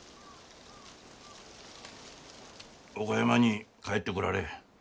岡山に帰ってこられえ。